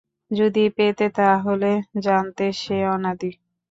যদি পেতে তাহলে জানতে, সে অনাদি।